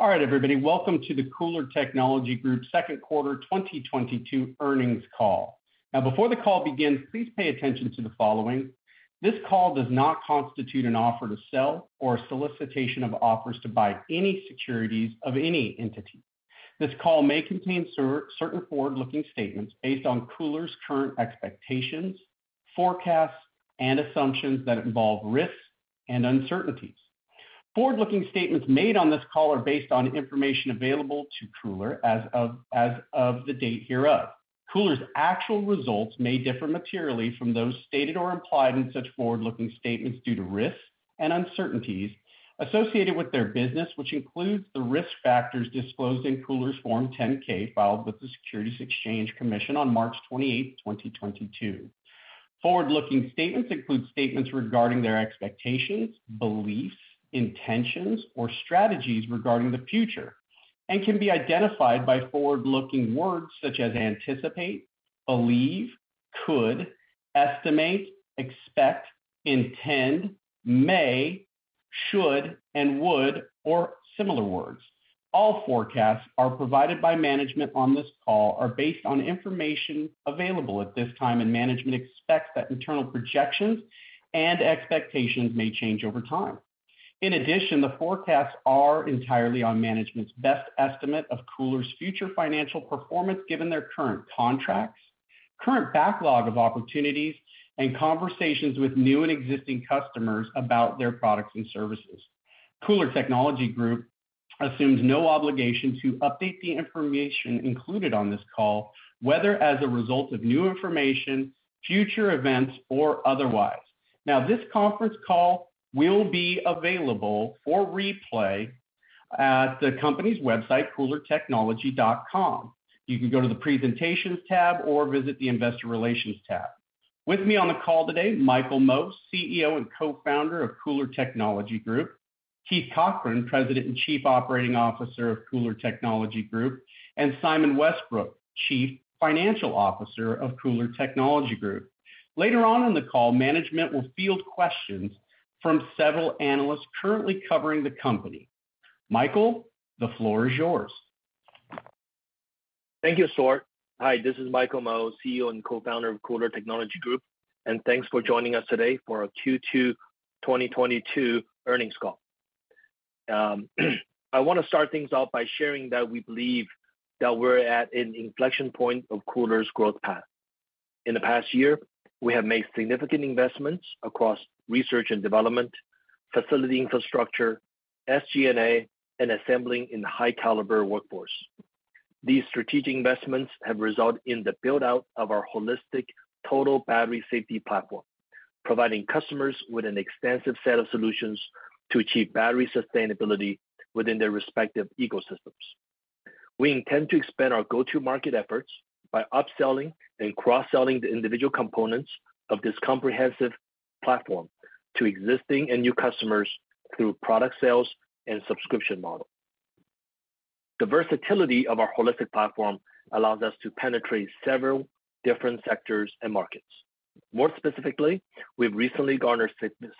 All right, everybody. Welcome to the KULR Technology Group second quarter 2022 earnings call. Now before the call begins, please pay attention to the following. This call does not constitute an offer to sell or solicitation of offers to buy any securities of any entity. This call may contain certain forward-looking statements based on KULR's current expectations, forecasts, and assumptions that involve risks and uncertainties. Forward-looking statements made on this call are based on information available to KULR as of the date hereof. KULR's actual results may differ materially from those stated or implied in such forward-looking statements due to risks and uncertainties associated with their business, which includes the risk factors disclosed in KULR's Form 10-K filed with the Securities and Exchange Commission on March 28, 2022. Forward-looking statements include statements regarding their expectations, beliefs, intentions, or strategies regarding the future, and can be identified by forward-looking words such as anticipate, believe, could, estimate, expect, intend, may, should, and would, or similar words. All forecasts are provided by management on this call are based on information available at this time, and management expects that internal projections and expectations may change over time. In addition, the forecasts are entirely on management's best estimate of KULR's future financial performance given their current contracts, current backlog of opportunities, and conversations with new and existing customers about their products and services. KULR Technology Group assumes no obligation to update the information included on this call, whether as a result of new information, future events, or otherwise. Now this conference call will be available for replay at the company's website, kulrtechnology.com. You can go to the presentations tab or visit the investor relations tab. With me on the call today, Michael Mo, CEO and Co-Founder of KULR Technology Group. Keith Cochran, President and Chief Operating Officer of KULR Technology Group, and Simon Westbrook, Chief Financial Officer of KULR Technology Group. Later on in the call, management will field questions from several analysts currently covering the company. Michael, the floor is yours. Thank you, Stuart. Hi, this is Michael Mo, CEO and Co-Founder of KULR Technology Group, and thanks for joining us today for our Q2 2022 earnings call. I wanna start things off by sharing that we believe that we're at an inflection point of KULR's growth path. In the past year, we have made significant investments across research and development, facility infrastructure, SG&A, and assembling a high caliber workforce. These strategic investments have resulted in the build-out of our holistic total battery safety platform, providing customers with an extensive set of solutions to achieve battery sustainability within their respective ecosystems. We intend to expand our go-to market efforts by upselling and cross-selling the individual components of this comprehensive platform to existing and new customers through product sales and subscription model. The versatility of our holistic platform allows us to penetrate several different sectors and markets. More specifically, we've recently garnered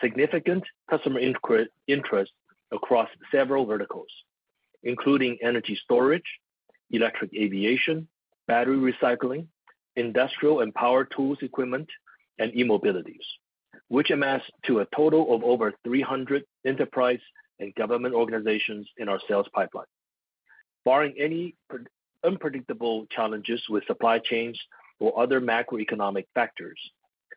significant customer interest across several verticals, including energy storage, electric aviation, battery recycling, industrial and power tools equipment, and e-mobilities, which amass to a total of over 300 enterprise and government organizations in our sales pipeline. Barring any unpredictable challenges with supply chains or other macroeconomic factors,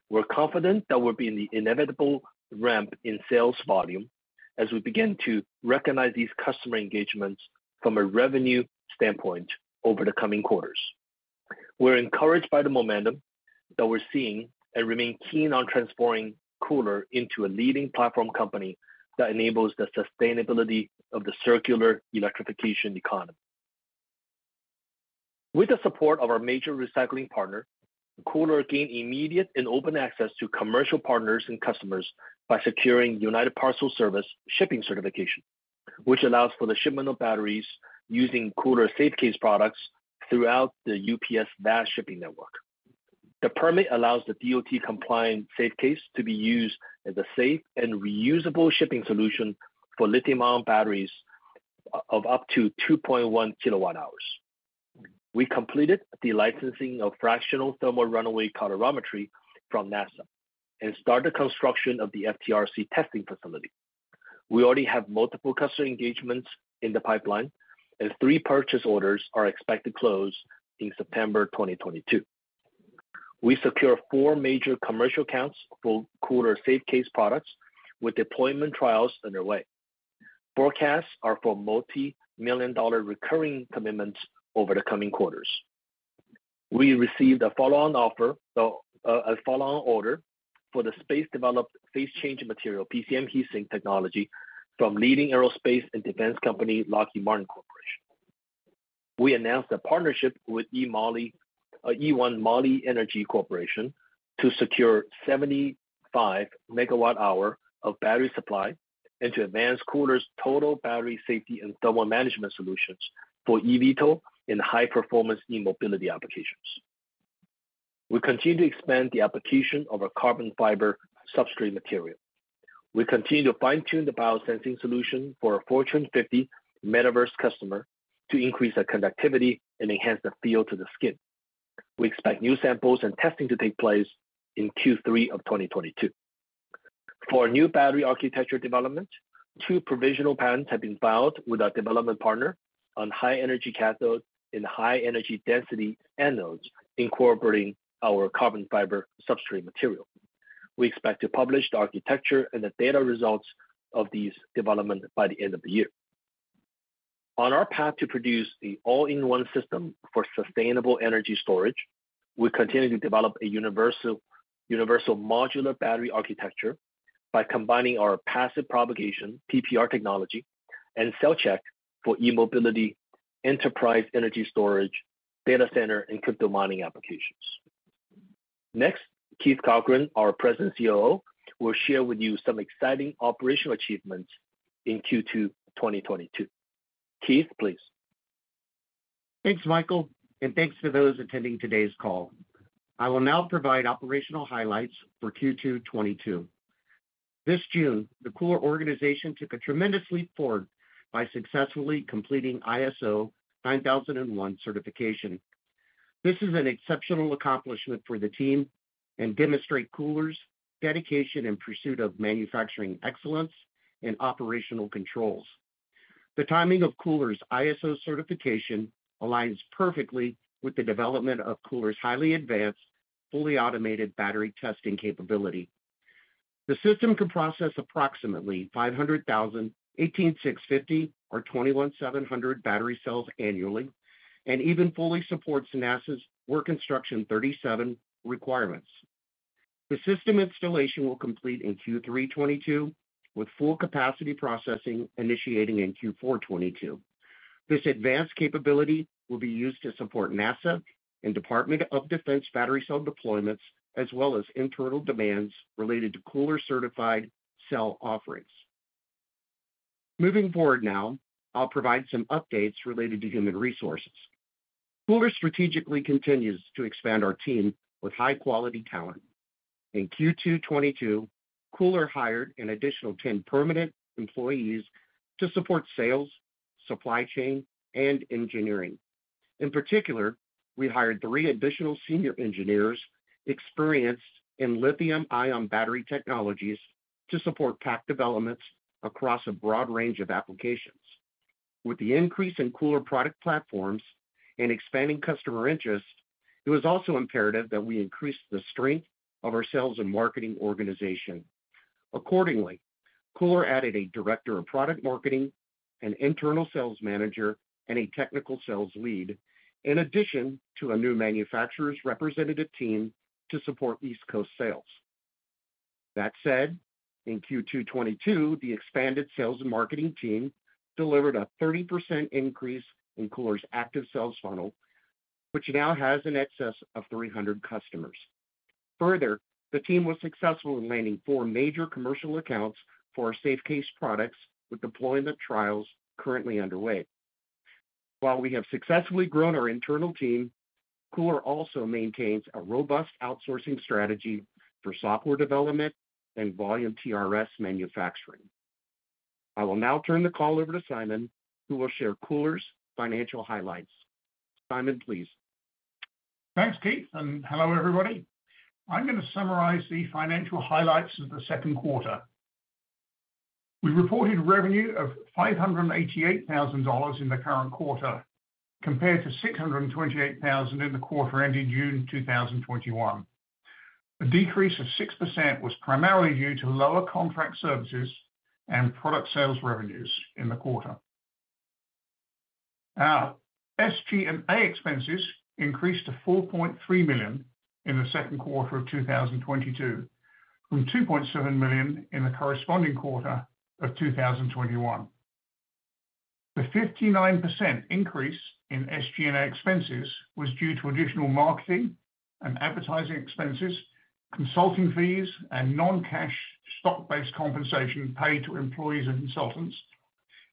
we're confident that we'll be in the inevitable ramp in sales volume as we begin to recognize these customer engagements from a revenue standpoint over the coming quarters. We're encouraged by the momentum that we're seeing and remain keen on transforming KULR into a leading platform company that enables the sustainability of the circular electrification economy. With the support of our major recycling partner, KULR gained immediate and open access to commercial partners and customers by securing United Parcel Service shipping certification, which allows for the shipment of batteries using KULR Safe Case products throughout the UPS vast shipping network. The permit allows the DOT compliant Safe Case to be used as a safe and reusable shipping solution for lithium-ion batteries of up to 2.1 kWh. We completed the licensing of Fractional Thermal Runaway Calorimetry from NASA and start the construction of the FTRC testing facility. We already have multiple customer engagements in the pipeline, and three purchase orders are expected to close in September 2022. We secure four major commercial accounts for KULR Safe Case products with deployment trials underway. Forecasts are for multi-million dollar recurring commitments over the coming quarters. We received a follow on order for the space developed phase change material, PCM heat sink technology from leading aerospace and defense company, Lockheed Martin Corporation. We announced a partnership with E-One Moli Energy Corp. to secure 75 MWh of battery supply and to advance KULR's total battery safety and thermal management solutions for eVTOL in high performance e-mobility applications. We continue to expand the application of our carbon fiber substrate material. We continue to fine-tune the biosensing solution for our Fortune 50 Metaverse customer to increase the conductivity and enhance the feel to the skin. We expect new samples and testing to take place in Q3 of 2022. For new battery architecture development, two provisional patents have been filed with our development partner on high energy cathodes and high energy density anodes incorporating our carbon fiber substrate material. We expect to publish the architecture and the data results of these development by the end of the year. On our path to produce the all-in-one system for sustainable energy storage, we continue to develop a universal modular battery architecture by combining our passive propagation, PPR technology and CellCheck for e-mobility enterprise energy storage, data center, and crypto mining applications. Next, Keith Cochran, our President and COO, will share with you some exciting operational achievements in Q2 2022. Keith, please. Thanks, Michael, and thanks to those attending today's call. I will now provide operational highlights for Q2 2022. This June, the KULR organization took a tremendous leap forward by successfully completing ISO 9001 certification. This is an exceptional accomplishment for the team and demonstrate KULR's dedication and pursuit of manufacturing excellence and operational controls. The timing of KULR's ISO certification aligns perfectly with the development of KULR's highly advanced, fully automated battery testing capability. The system can process approximately 500,000, 18,650 or 21700 battery cells annually and even fully supports NASA-STD-8739 requirements. The system installation will complete in Q3 2022, with full capacity processing initiating in Q4 2022. This advanced capability will be used to support NASA and Department of Defense battery cell deployments, as well as internal demands related to KULR-certified cell offerings. Moving forward now, I'll provide some updates related to human resources. KULR strategically continues to expand our team with high-quality talent. In Q2 2022, KULR hired an additional 10 permanent employees to support sales, supply chain, and engineering. In particular, we hired three additional senior engineers experienced in lithium-ion battery technologies to support pack developments across a broad range of applications. With the increase in KULR product platforms and expanding customer interest, it was also imperative that we increase the strength of our sales and marketing organization. Accordingly, KULR added a director of product marketing, an internal sales manager, and a technical sales lead, in addition to a new manufacturer's representative team to support East Coast sales. That said, in Q2 2022, the expanded sales and marketing team delivered a 30% increase in KULR's active sales funnel, which now has in excess of 300 customers. Further, the team was successful in landing four major commercial accounts for our Safe Case products, with deployment trials currently underway. While we have successfully grown our internal team, KULR also maintains a robust outsourcing strategy for software development and volume TRS manufacturing. I will now turn the call over to Simon, who will share KULR's financial highlights. Simon, please. Thanks, Keith, and hello, everybody. I'm gonna summarize the financial highlights of the second quarter. We reported revenue of $588,000 in the current quarter, compared to $628,000 in the quarter ending June 2021. The decrease of 6% was primarily due to lower contract services and product sales revenues in the quarter. Our SG&A expenses increased to $4.3 million in the second quarter of 2022, from $2.7 million in the corresponding quarter of 2021. The 59% increase in SG&A expenses was due to additional marketing and advertising expenses, consulting fees, and non-cash stock-based compensation paid to employees and consultants,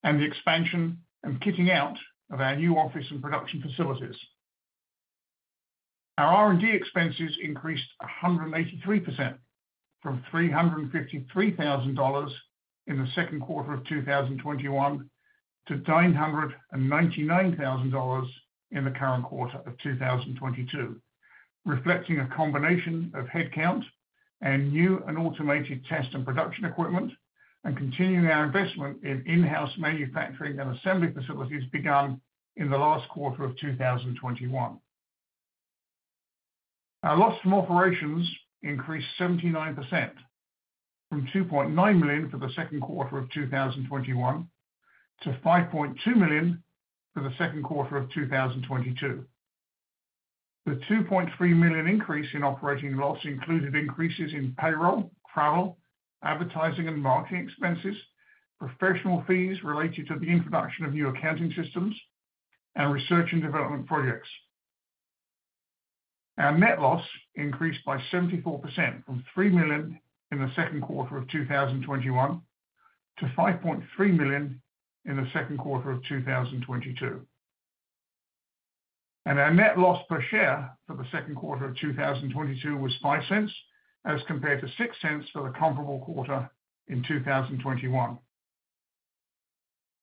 and the expansion and kitting out of our new office and production facilities. Our R&D expenses increased 183% from $353,000 in the second quarter of 2021 to $999,000 in the current quarter of 2022, reflecting a combination of headcount and new and automated test and production equipment, and continuing our investment in in-house manufacturing and assembly facilities begun in the last quarter of 2021. Our loss from operations increased 79% from $2.9 million for the second quarter of 2021 to $5.2 million for the second quarter of 2022. The $2.3 million increase in operating loss included increases in payroll, travel, advertising, and marketing expenses, professional fees related to the introduction of new accounting systems, and research and development projects. Our net loss increased by 74% from $3 million in the second quarter of 2021. To $5.3 million in the second quarter of 2022. Our net loss per share for the second quarter of 2022 was $0.05, as compared to $0.06 for the comparable quarter in 2021.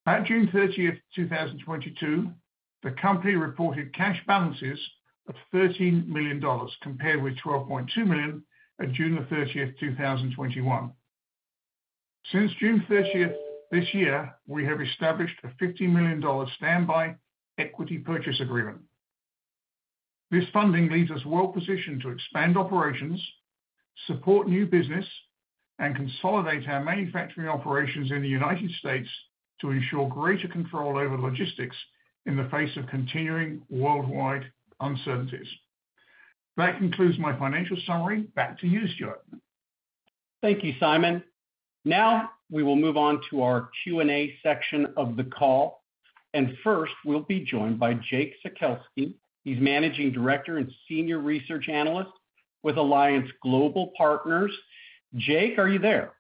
At June 30th, 2022, the company reported cash balances of $13 million, compared with $12.2 million at June 30th, 2021. Since June 30th this year, we have established a $50 million standby equity purchase agreement. This funding leaves us well-positioned to expand operations, support new business, and consolidate our manufacturing operations in the United States to ensure greater control over logistics in the face of continuing worldwide uncertainties. That concludes my financial summary. Back to you, Stuart. Thank you, Simon. Now, we will move on to our Q&A section of the call. First, we'll be joined by Jake Sekelsky, he's Managing Director and Senior Research Analyst with Alliance Global Partners. Jake, are you there?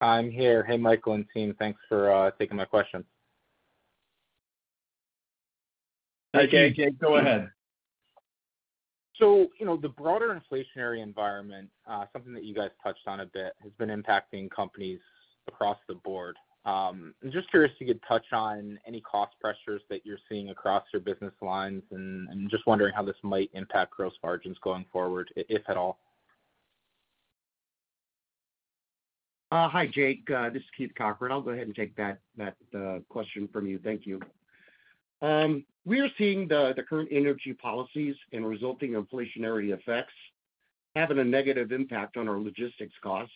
I'm here. Hey, Michael and team. Thanks for taking my questions. Hi, Jake. Go ahead. You know, the broader inflationary environment, something that you guys touched on a bit, has been impacting companies across the board. I'm just curious if you could touch on any cost pressures that you're seeing across your business lines and just wondering how this might impact gross margins going forward, if at all. Hi, Jake. This is Keith Cochran. I'll go ahead and take that question from you. Thank you. We are seeing the current energy policies and resulting inflationary effects having a negative impact on our logistics costs.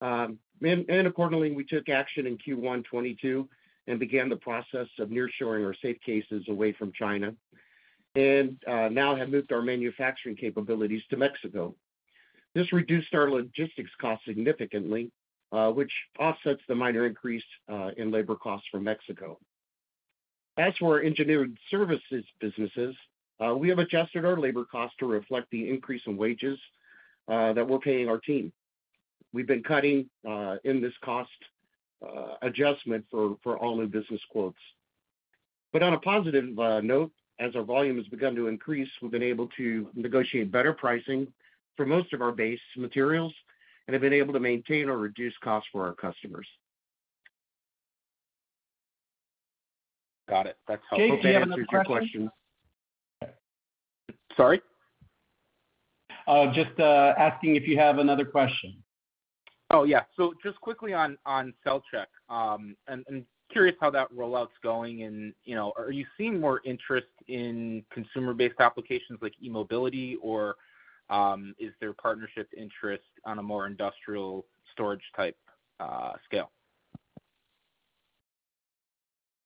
Accordingly, we took action in Q1 2022 and began the process of nearshoring our Safe Cases away from China, and now have moved our manufacturing capabilities to Mexico. This reduced our logistics costs significantly, which offsets the minor increase in labor costs from Mexico. As for our engineering services businesses, we have adjusted our labor costs to reflect the increase in wages that we're paying our team. We've been including this cost adjustment for all new business quotes. On a positive note, as our volume has begun to increase, we've been able to negotiate better pricing for most of our base materials and have been able to maintain or reduce costs for our customers. Got it. That's helpful. Jake, do you have another question? Hope that answers your question. Sorry? Just asking if you have another question. Oh, yeah. Just quickly on CellCheck, I'm curious how that rollout's going and, you know, are you seeing more interest in consumer-based applications like e-mobility or is there partnership interest on a more industrial storage type scale?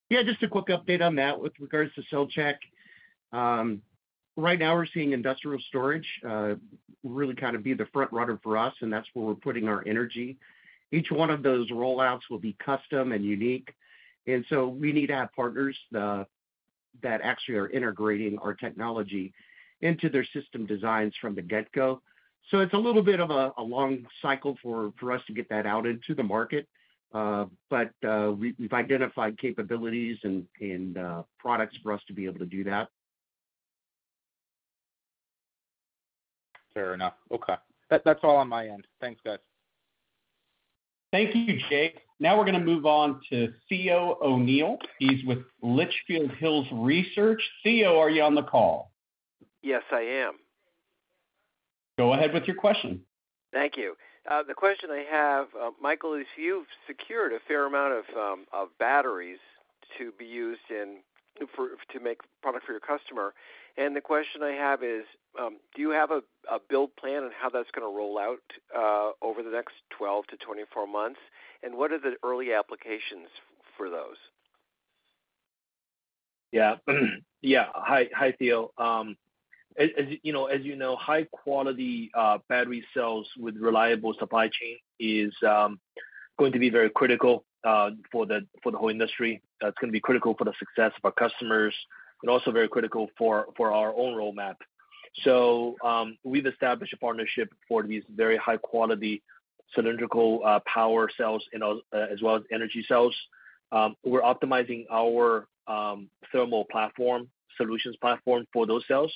Yeah, just a quick update on that with regards to CellCheck. Right now we're seeing industrial storage really kind of be the front runner for us, and that's where we're putting our energy. Each one of those rollouts will be custom and unique. We need to have partners that actually are integrating our technology into their system designs from the get-go. It's a little bit of a long cycle for us to get that out into the market. We've identified capabilities and products for us to be able to do that. Fair enough. Okay. That's all on my end. Thanks, guys. Thank you, Jake. Now we're gonna move on to Theodore O'Neill. He's with Litchfield Hills Research. Theo, are you on the call? Yes, I am. Go ahead with your question. Thank you. The question I have, Michael, is you've secured a fair amount of batteries to be used for, to make product for your customer. The question I have is, do you have a build plan on how that's gonna roll out over the next 12-24 months? What are the early applications for those? Yeah. Hi, Theo. As you know, high quality battery cells with reliable supply chain is going to be very critical for the whole industry. That's gonna be critical for the success of our customers and also very critical for our own roadmap. We've established a partnership for these very high quality cylindrical power cells and as well as energy cells. We're optimizing our thermal platform, solutions platform for those cells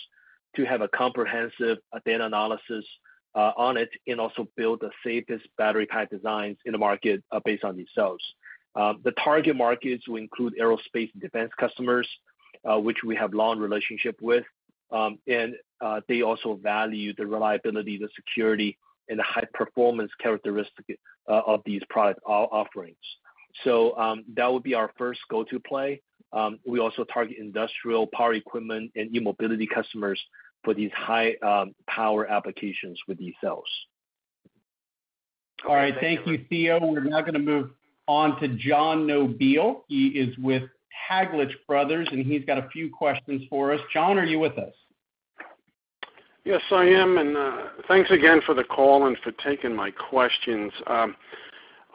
to have a comprehensive data analysis on it and also build the safest battery pack designs in the market based on these cells. The target markets will include aerospace and defense customers, which we have long relationship with. They also value the reliability, the security, and the high-performance characteristic of these product offerings. That would be our first go-to play. We also target industrial power equipment and e-mobility customers for these high power applications with these cells. All right. Thank you, Theo. We're now gonna move on to John Nobile. He is with Taglich Brothers, and he's got a few questions for us. John, are you with us? Yes, I am. Thanks again for the call and for taking my questions.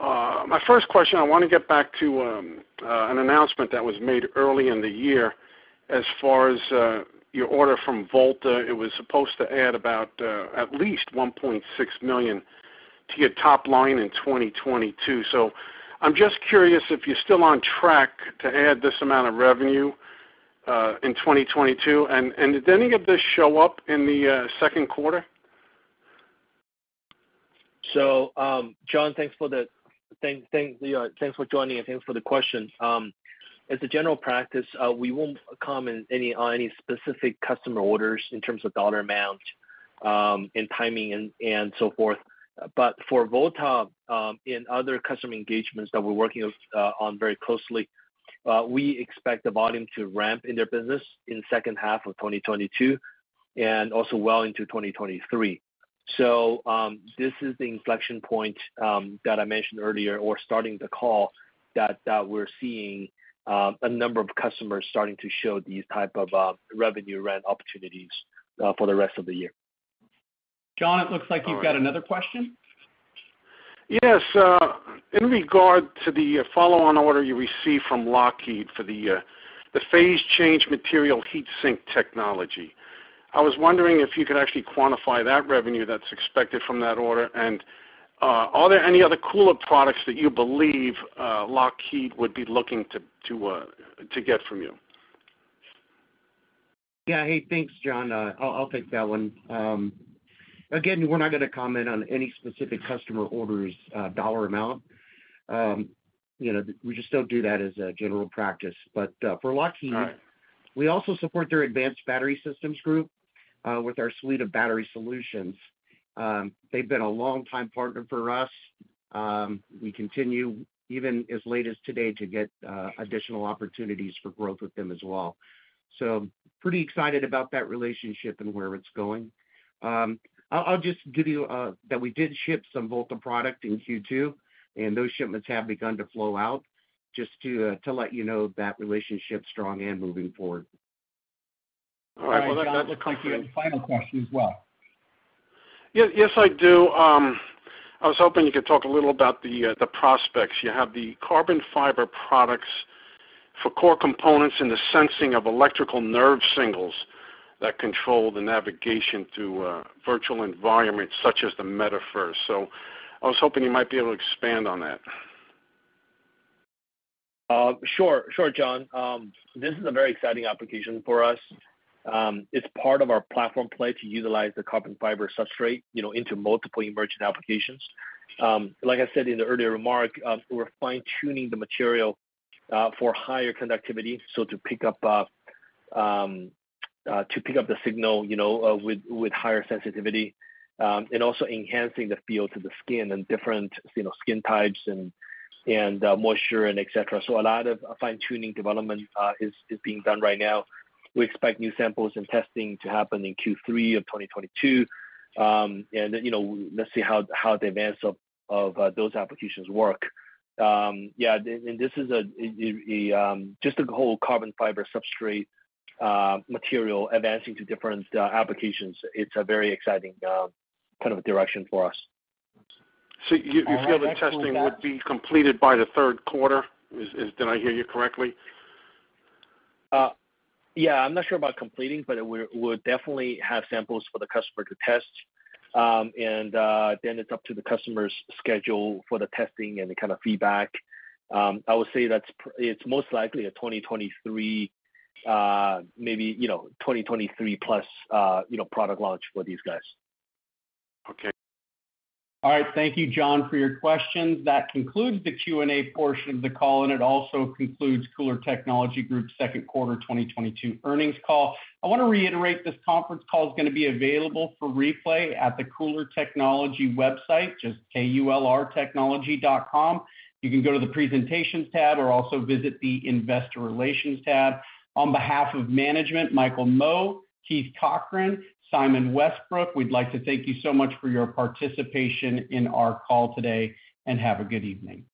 My first question, I wanna get back to an announcement that was made early in the year. As far as your order from Volta, it was supposed to add about at least $1.6 million to your top line in 2022. I'm just curious if you're still on track to add this amount of revenue in 2022, and did any of this show up in the second quarter? John, thanks for the... Thank, thank, you know, thanks for joining and thanks for the question. As a general practice, we won't comment on any specific customer orders in terms of dollar amount, and timing and so forth. For Volta and other customer engagements that we're working with on very closely, we expect the volume to ramp in their business in second half of 2022 and also well into 2023. This is the inflection point that I mentioned earlier or starting the call that we're seeing a number of customers starting to show these type of revenue ramp opportunities for the rest of the year. John, it looks like you've got another question. Yes. In regard to the follow-on order you received from Lockheed Martin for the Phase Change Material heat sink technology. I was wondering if you could actually quantify that revenue that's expected from that order. Are there any other cooler products that you believe Lockheed Martin would be looking to get from you? Yeah. Hey, thanks, John. I'll take that one. Again, we're not gonna comment on any specific customer orders, dollar amount. You know, we just don't do that as a general practice. For Lockheed Martin. All right. We also support their advanced battery systems group with our suite of battery solutions. They've been a long time partner for us. We continue even as late as today to get additional opportunities for growth with them as well. Pretty excited about that relationship and where it's going. I'll just give you that we did ship some Volta product in Q2, and those shipments have begun to flow out just to let you know that relationship's strong and moving forward. All right. Well, that concludes. John, it looks like you had a final question as well. Yes, yes, I do. I was hoping you could talk a little about the prospects. You have the carbon fiber products for core components in the sensing of electrical nerve signals that control the navigation through a virtual environment such as the Metaverse. I was hoping you might be able to expand on that. Sure, John. This is a very exciting application for us. It's part of our platform play to utilize the carbon fiber substrate, you know, into multiple emerging applications. Like I said in the earlier remark, we're fine-tuning the material for higher conductivity, so to pick up the signal, you know, with higher sensitivity, and also enhancing the feel to the skin and different skin types and moisture and et cetera. A lot of fine-tuning development is being done right now. We expect new samples and testing to happen in Q3 of 2022. You know, let's see how the demands of those applications work. This is just a whole carbon fiber substrate material advancing to different applications. It's a very exciting kind of direction for us. You feel the testing would be completed by the third quarter? Did I hear you correctly? Yeah. I'm not sure about completing, but we'll definitely have samples for the customer to test. Then it's up to the customer's schedule for the testing and the kind of feedback. I would say it's most likely a 2023, maybe, you know, 2023 plus, you know, product launch for these guys. Okay. All right. Thank you, John, for your questions. That concludes the Q&A portion of the call, and it also concludes KULR Technology Group's second quarter 2022 earnings call. I wanna reiterate this conference call is gonna be available for replay at the KULR Technology website, just K-U-L-R technology.com. You can go to the presentations tab or also visit the investor relations tab. On behalf of management, Michael Mo, Keith Cochran, Simon Westbrook, we'd like to thank you so much for your participation in our call today, and have a good evening.